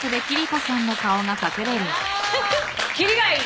切りがいい。